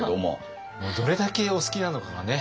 どれだけお好きなのかがね